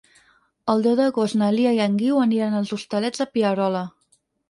El deu d'agost na Lia i en Guiu aniran als Hostalets de Pierola.